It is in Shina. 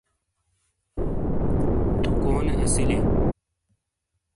تُو کونے اسیلئیے؟